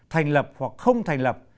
thành lập hoặc không thành lập